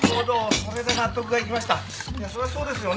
そりゃそうですよね。